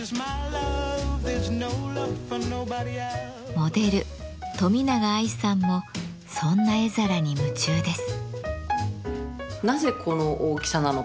モデル・冨永愛さんもそんな絵皿に夢中です。